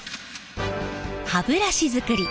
歯ブラシづくり